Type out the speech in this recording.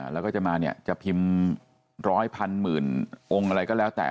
แล้วก็จะมาเนี่ยจะพิมพ์๑๐๐พันหมื่นองค์อะไรก็แล้วแต่